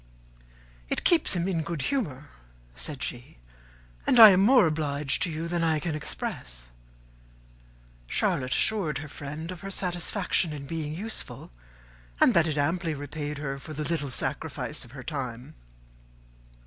"It keeps him in good humour," said she, "and I am more obliged to you than I can express." Charlotte assured her friend of her satisfaction in being useful, and that it amply repaid her for the little sacrifice of her time.